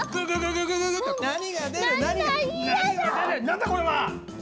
何だこれは？